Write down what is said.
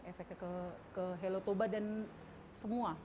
efeknya ke helotoba dan semua